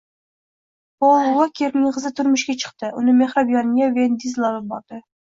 Pol Uokerning qizi turmushga chiqdi, uni mehrob yoniga Vin Dizel olib bordi